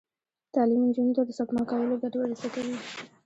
تعلیم نجونو ته د سپما کولو ګټې ور زده کوي.